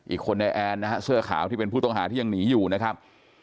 อีกคนในแอนนะฮะเสื้อขาวที่เป็นผู้ต้องหาที่ยังหนีอยู่นะครับ